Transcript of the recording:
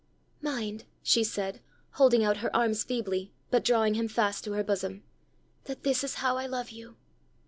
"Mind," she said, holding out her arms feebly, but drawing him fast to her bosom, "that this is how I love you!